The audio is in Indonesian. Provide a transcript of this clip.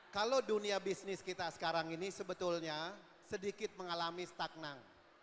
kalau dunia bisnis kita sekarang ini sebetulnya sedikit mengalami stagnan